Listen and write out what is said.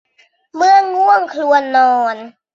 เมื่อง่วง ควรนอน